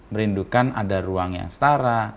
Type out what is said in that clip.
merindukan ada ruang yang setara